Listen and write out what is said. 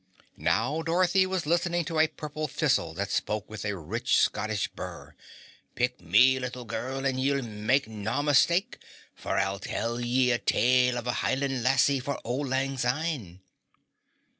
Now Dorothy was listening to a purple thistle that spoke with a rich Scotch burr, "Pick me, little girrrl, an' ye'll make naw mistake, for I'll tell ye a tale of a Highland lassie for Auld Lang Syne."